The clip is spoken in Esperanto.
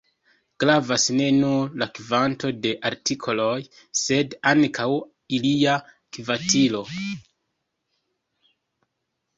Gravas ne nur la kvanto de artikoloj, sed ankaŭ ilia kvalito.